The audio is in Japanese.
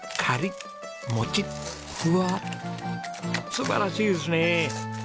素晴らしいですね。